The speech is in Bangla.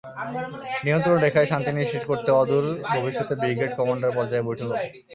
নিয়ন্ত্রণরেখায় শান্তি নিশ্চিত করতে অদূর ভবিষ্যতে ব্রিগেড কমান্ডার পর্যায়ে বৈঠক হবে।